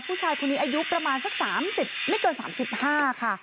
ผู้ชายคุณนี้อายุประมาณสักสามสิบไม่เกินสามสิบห้าค่ะ